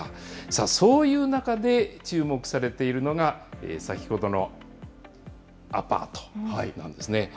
さあ、そういう中で、注目されているのが、先ほどのアパートなんですね。